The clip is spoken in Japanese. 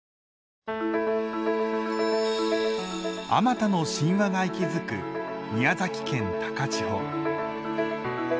あまたの神話が息づく宮崎県高千穂。